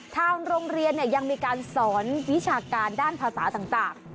ทางโรงเรียนยังมีการสอนวิชาการด้านภาษาต่าง